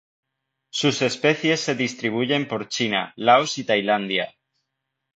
Sus especies se distribuyen por China, Laos y Tailandia.